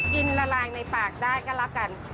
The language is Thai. กลิ่นละลางในปากได้ก็แล้วกัน